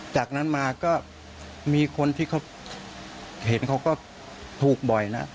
จากนั้นมาก็มีคนที่เขาเห็นเขาก็ถูกบ่อยนะ